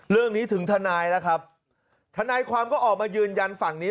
เรื่องนี้ถึงทนายแล้วครับทนายความก็ออกมายืนยันฝั่งนี้